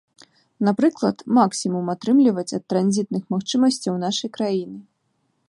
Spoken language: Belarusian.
Напрыклад, максімум атрымліваць ад транзітных магчымасцяў нашай краіны.